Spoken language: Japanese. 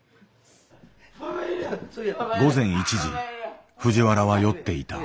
午前１時藤原は酔っていた。